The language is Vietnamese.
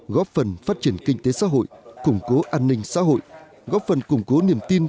góp phần phát triển kinh tế xã hội củng cố an ninh xã hội góp phần củng cố niềm tin